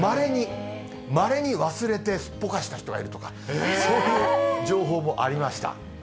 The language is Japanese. まれに忘れてすっぽかした人がいるとか、そういう情報もありました。